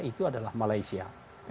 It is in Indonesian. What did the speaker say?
itu adalah malaysia